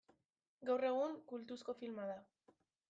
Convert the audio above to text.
Gaur egun kultuzko filma da.